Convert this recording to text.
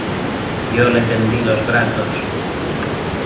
yo le tendí los brazos.